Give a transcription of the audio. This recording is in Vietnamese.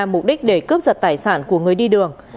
mục đích để cướp giật tài sản của người đi đường